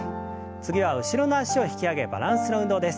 次は後ろの脚を引き上げバランスの運動です。